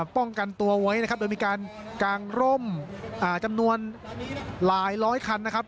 ป้องกันตัวไว้นะครับโดยมีการกางร่มจำนวนหลายร้อยคันนะครับ